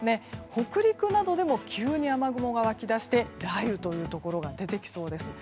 北陸などでも急に雨雲が湧き出して雷雨というところが出てきそうです。